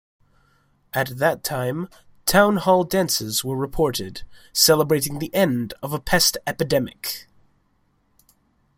At that time "town-hall dances" were reported, celebrating the end of a pest epidemic.